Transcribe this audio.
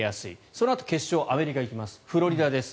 そのあと決勝アメリカに行きますフロリダです。